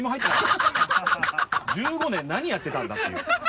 １５年何やってたんだっていう。